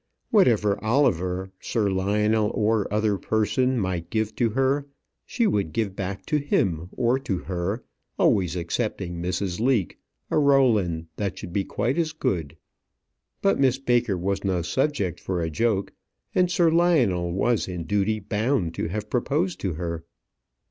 Whatever Oliver Sir Lionel, or other person, might give her, she would give back to him or to her always excepting Mrs. Leake a Rowland that should be quite as good. But Miss Baker was no subject for a joke, and Sir Lionel was in duty bound to have proposed to her.